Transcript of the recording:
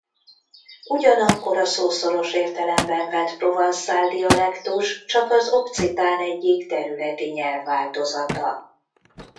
Ugyanakkor a szó szoros értelemben vett provanszál dialektus csak az okcitán egyik területi nyelvváltozata.